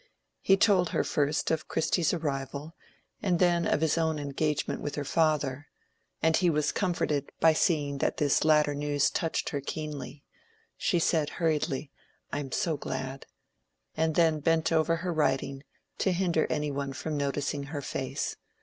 He told her first of Christy's arrival and then of his own engagement with her father; and he was comforted by seeing that this latter news touched her keenly. She said hurriedly, "I am so glad," and then bent over her writing to hinder any one from noticing her face.